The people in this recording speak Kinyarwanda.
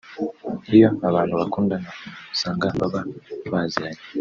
Iyo abantu bakundana usanga baba baziranye